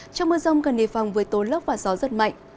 trong mưa rông cần đề phòng với tố lốc và gió rất mạnh